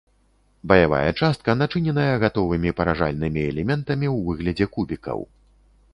Баявая частка начыненая гатовымі паражальнымі элементамі ў выглядзе кубікаў.